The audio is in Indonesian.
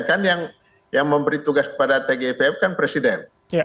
kan yang memberi tugas kepada tgpf kan presiden